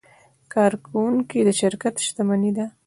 کارکوونکي د شرکت شتمني ده.